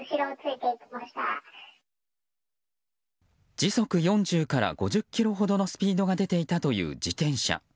時速４０から５０キロほどのスピードが出ていたという自転車。